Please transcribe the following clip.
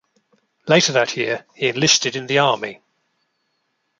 Later that year, he enlisted in the army.